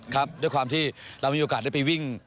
ครับด้วยความที่เรามีโอกาสได้ไปวิ่ง